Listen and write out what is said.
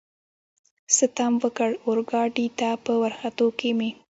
ستم وکړ، اورګاډي ته په ورختو کې مې.